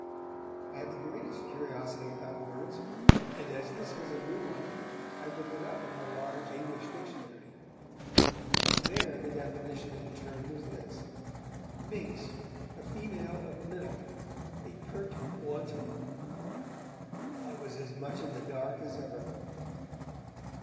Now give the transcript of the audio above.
I had the greatest curiosity about words, and as this was a new one, I looked it up in our large 'English Dictionary'. But there the definition of the term was this: 'Minx: the female of minnock; a pert wanton.' I was as much in the dark as ever.